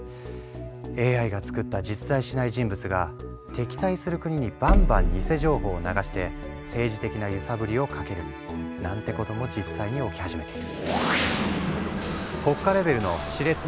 ＡＩが作った実在しない人物が敵対する国にバンバン偽情報を流して政治的な揺さぶりをかけるなんてことも実際に起き始めている。